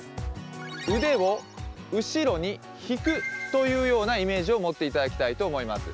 腕を後ろに引くというようなイメージを持っていただきたいと思います。